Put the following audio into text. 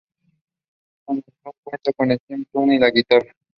El álbum cuenta con Stephen Stills en la guitarra.